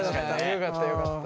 よかったよかった。